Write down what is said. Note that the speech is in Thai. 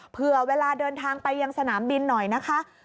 เผื่อเวลาเดินทางไปยังสนามบินหน่อยนะคะ